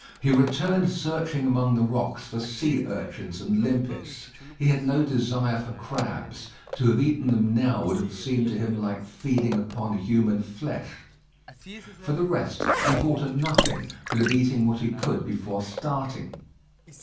He returned searching among the rocks for sea urchins and limpets. He had no desire for crabs; to have eaten them now would have seemed to him like feeding upon human flesh. For the rest, he thought of nothing but of eating what he could before starting.